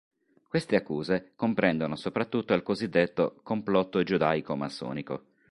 Queste accuse comprendono soprattutto il cosiddetto "complotto giudaico-massonico".